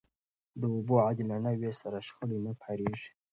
د اوبو عادلانه وېش سره، شخړې نه پارېږي.